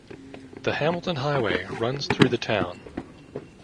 The Hamilton Highway runs though the town.